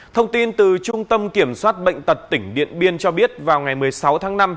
thông tin từ trung tâm kiểm soát bệnh tật tỉnh điện biên cho biết vào ngày một mươi sáu tháng năm